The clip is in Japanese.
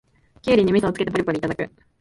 キュウリにみそをつけてポリポリいただく